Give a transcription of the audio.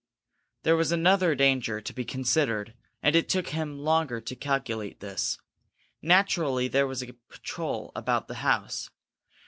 There was another danger to be considered, and it took him longer to calculate this. Naturally there was a patrol about the house.